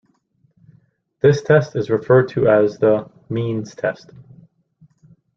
This test is referred to as the "means test".